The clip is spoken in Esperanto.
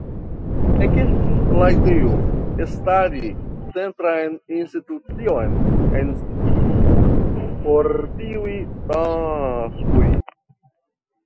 Ekestis la ideo starigi centran institucion en Sibiu por tiuj taskoj.